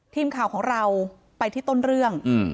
ทีมข่าวของเราไปที่ต้นเรื่อง